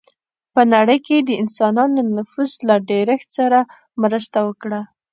په نړۍ کې یې د انسانانو نفوس له ډېرښت سره مرسته وکړه.